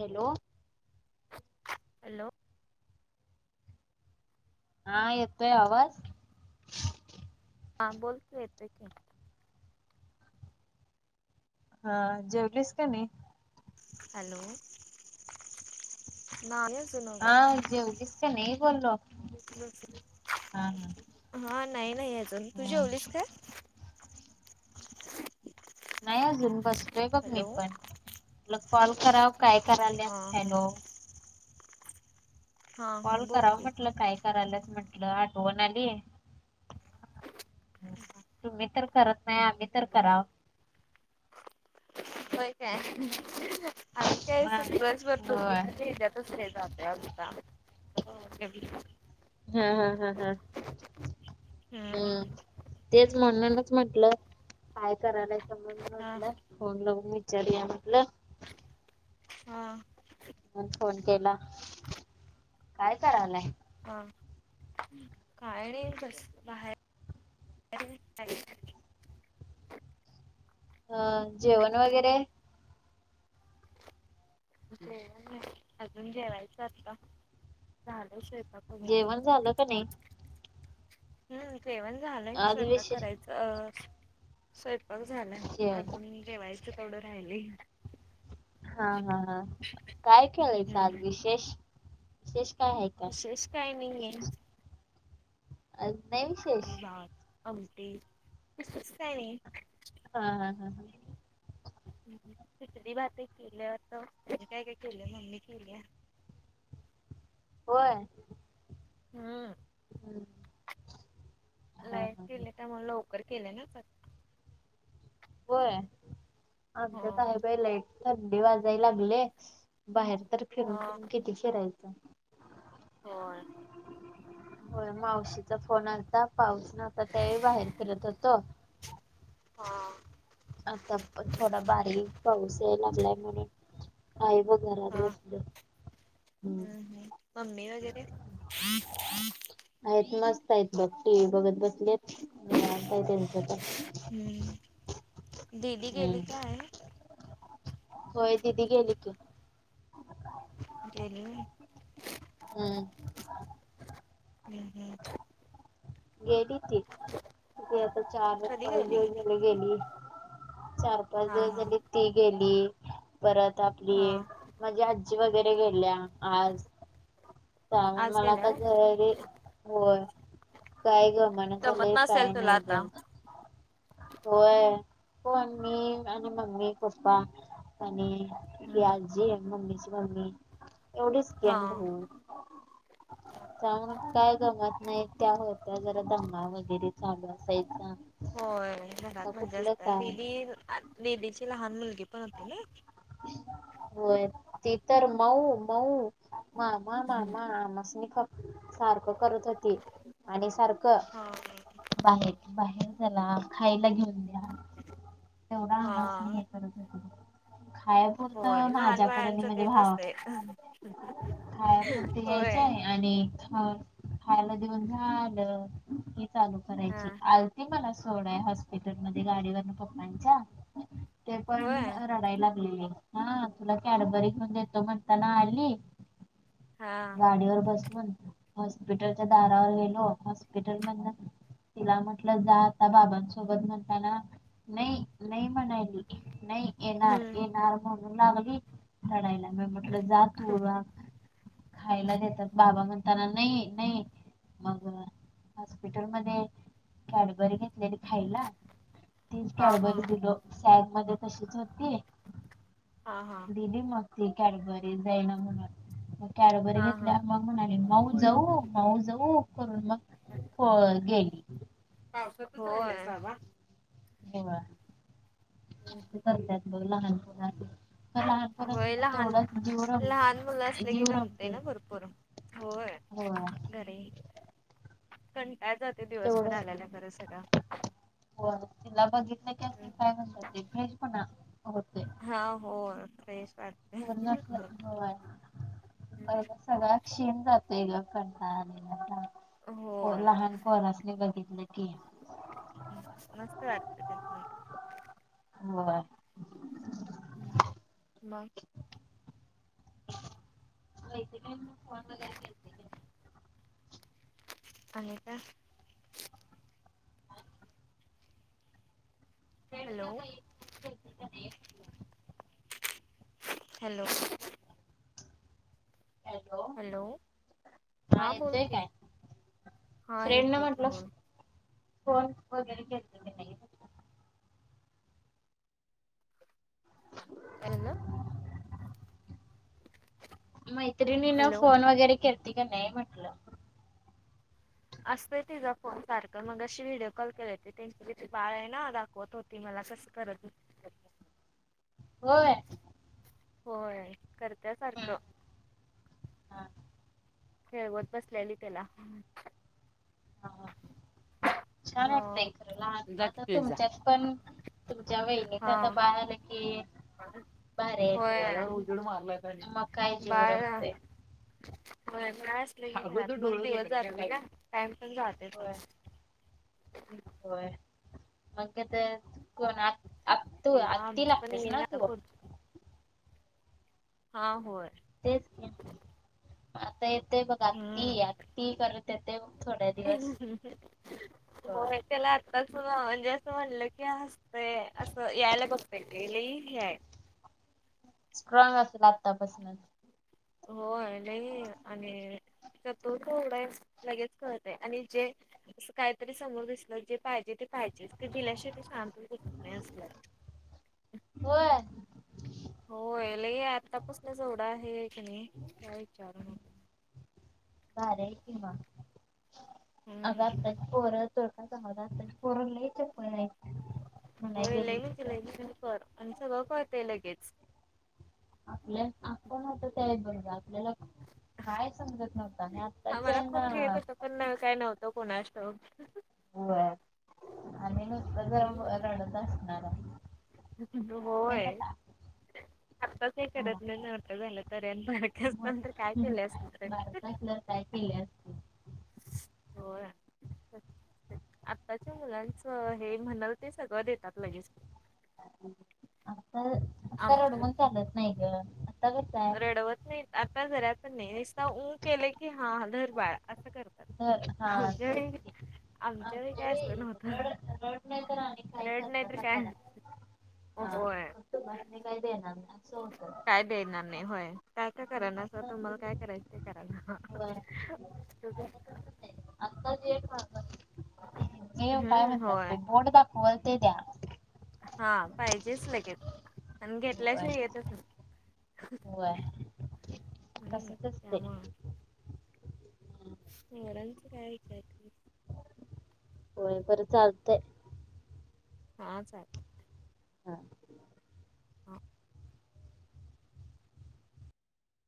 Hello hello हा येतोय आवाज हां बोलतो येत की हा जेवलीस का नाही? हॅलो! नान सुनभ हा जेवलीस का नाही बोललो हा हा [unintelligible] हा नाही नाही अजून तु हम्म जेवलीस का? नाही अजून बसलोय बघ मी हॅलो पण तूला कॉल कराव काय करायल हा हा हॅलो हा कॉल हा बोल कराव की. म्हटलं काय करायलाच म्हंटलं आठवण आली तुम्ही तर करत नाही आम्ही तर कराव होय होय काय आम्ही काय वा सच होय भरोकाच्या हच्यात असते जात. ववथ हो [unintelligible] हा, हा, हा, हा, हम्म, तेच म्हणूनच म्हंटलं काय करायलाचं म्हणून हा म्हंटलं फोन लवून विचारु या म्हटलं हा फोन केला काय करालाय? हा काय नाही कस बाहेर अं जेवण वगैरे? जेवण नाही अजून जेवायचं आता, झालाय स्वयपाक जेवण झालं का नाही? हम् जेवण झालंय आज स्वयपाक विशेष करायचं अ स्वयंपाक झाला जे आहे. अजून जेवायचं तेवढं राहिलीय. हा हा हा काय केलायसा आज हम्म विशेष विशेष काय हाय का. विशेष काय नाही आहे. अ नाही [unintelligible] भात, आमटी तसच काय नाही. हा, हा, हा, हा, खिचडी भात केले मी काय नाही केलं मम्मी केली. होय. हम् हम्म हा लाईट हा हा. गेली त्यामुळे मग लवकर केले ना स्वयपाक होय. आमच्यात हो आहे बाई लाईट. थंडी वाजाय लागले बाहेर तर फिरून हा फिरून किती फिरायचे. [inaudible] होय. [inaudible] होय मावशीचा फोन आलता पाऊस नव्हता त्यावेळी बाहेर फिरत होतो. हा आता पण थोडा बारीक पाऊस याय लागलाय म्हणून आई व घरात बसले. हम् हम् मम्मी वगैरे आहेत मस्त आहेत बघ टी व्ही बघत बसलेय निवांत आहे त्यांच बघ हम्म दिदी गेली काय हम्म होय दिदी गेली की. गेली व्हय. हम्म हम्म हम् गेली ती, ती आता चार कधी पाच गेली दिवस झाले गेली चार पाच हा दिवस हा झाली ती गेली परत आपली.. हा माझी आजी वगैरे गेल्या आज आज मलां गेल्या आता होय. घंरी होयं कायं गं मणं गमत की नसेल कायं तुला नाहीं आता गं होयं हो मी आणि मम्मी पप्पां आणि की हम्म आजी मम्मीची मम्मी एवढीचं केन भ हा त्यांग कायं गंमत नाहीं त्यां होत्यां जरा दंगा वगैरें चालूं असायचां होयं घरांत मज्जा असतं दीदी दीदीची लहांन मुलंगी पणं होते नां होयं ते तरं मऊं मऊं मामा हम्म. मामा आंमस म ख सारखंच करतं होती आणि सारखं हां बाहेर बाहेर झालां खायंला घेऊन द्या तेवढां आवांज नाहीं हा येतं तर [unintelligible] होय खायांपुरतं लहान माझ्याकडं नाहीं बाळांचं म्हणजे तेच भांवा असतंय. कड खायांपुरती यांयचे होय आणि हं खायंला देऊनं झालं ही चालूं हा करायंची आलती मलां थोडां आहे हॉस्पिटलं मध्यें गाडीवरूंन पप्पांच्या होय पणं रडांय लागलेली हां तुलां कॅडबरी घेऊन देतो म्हणतांना आली हां गाडीवंर बसूंन हॉस्पिटलच्यां दारावर गेलो हॉस्पिटल मंध्यें तिलां म्हटलं जा आात बाबांसोबतं म्हणतांना नाहीं नाहीं म्हणांयची नाहीं येणारं हम्म येणारं म्हणूंन लागली रडांयला लागली म्हटलं जा तूं रहां खायंला देतात बाबां म्हणतांना नाहीं नाहीं. मंग हॉस्पिटल मध्यें कॅडबरी घेतलेली खायंला. तीचं हा हा कॅडबरी दिलो सॅग मध्यें तशीचं होती. हां हां दीदी मंग कॅडबरी जै नां म्हणां कॅडबरी हा हा. घेतल्यां मंग म्हणांली माऊं जाऊं माऊं जाऊं करूंन मं व्ग पर गें पावसांत हो आहे बाबां हो चालतंय बघं लहानंपोरं [unintelligible] होय लहानंपोरांत लहान तेवढांच जीव लहान मुलं रमतोयं असले जीव की गमते रमतोयं ना नं. भरपूर हो [unintelligible] पणं कायं जाते दिवसंभर आल्यांला खरं सगळं हो तिलां बघितलं की असं कायं म्हणतं भेज पणं होते हां होयं [inaudible] [unintelligible] पूर्ण होयं पहिल सगळ्यां शिणं जातोयं गं कंटाळा आलांय होय लहांन मुलालां बघितलं कीं कीं मस्तं वाटतं होयं हम्मं मंग? होय की नाहीं फोन वगैरें करतें की नाहीं आले तरं हॅलो फ्रेंडना काही फोन केलते का नाही? हॅलो हॅलो हा हां बोलं येतोय की काय? हां एक मिनिटं की बोलं कॉल वगैरें केलं कायं झांलंय मैत्रिणी ना हॅलो फोन वगैरे करती की नाही म्हंटलं. असत तिजा फोन सारखं मघाशी व्हिडिओ कॉल केली होती त्यांची तिथे बाळ आहे न दाखवत होती ती मला कस करत होती होय. होय करत्या सारखं. हम्म हा. खेळवत बसलेली त्याला हा. छान हो. वाटतय खर लहान जा की आता पित जा. तुमच्यात पण तुमच्या वहिनीचा हा आता बाळ आल की भारी आहे होय तुम्हाला मग काय जीव बाळ रमतंय [unintelligible] टाईम पण जाते होय फास्ट होय मग तर कोण आ तू एकदा आत्ती आमची पण लागतेस येईल ना आता तु. पुढची हा होय. तेच ते आता येते बघा हम्म. आतीआती करत येते थोड्या दिवस होय त्याला तस म्हणजे असं म्हटलं की हसतेय असं यायला बघतय लई हे हाय. स्ट्रॉग असेल आत्तापासूनच होय नाही आणि तो तर एवढा आहे लगेच कळतय आणि जे अस काहीतरी समोर दिसलं जे पाहिजे ते पाहिजेच ते दिल्याश ते शांत नाही असलाय. होय. होय लय आतापासनच एवढा आहे क नाही काय विचारू नको. हम्म. [unintelligible] [unintelligible] होय गेली लईनच तर ल कर आन सगळ कळतय लगेच. [unintelligible] काय समजत नव्हत आणि आत्ताच्या आम्हाला कोण घेत यांना होतं पण ना काय नव्हतं कोणास ठाऊक. हो आणि नुसतं ज रडत असणार काय माहित होय. [inaudible] आताच करत नाही नव्हतं झालं तरी आणि बारके असत तर काय केले असत तर बारक असल्यावर काय केले. असते होय. [inaudible] आत्ताच्या मुलांचं हे म्हणाल ते सगळं देतात लगेच आता आता आमच्या रडवून चालत नाही ग. कसं आहे रडवत नाही आता जरा पण नाही नसता ऊ केले की हा धर बाळा असं करतात तर हा आमच्या तेच वेळी की आमच्या वेळी काय असलं न्हवत रड रड नाही तर आणि काही रड नाही करता तर का काय करा हा होय. तुला आम्ही काय देणार नाही. असं होतं काय देणार नाही होय काय काय करा ना असं आता तुम्हाला काय करायचं. कराल आता जे काय हम्म म्हणतात ते होय बोट दाखवल ते द्या. हा पाहिजेच लगेच आणि होय घेतल्याशिवाय येतच ना होय कसतरीचे. सोयऱ्यांच काय ऐकायच. होय पर चालतय. हा चालेल. हा. हा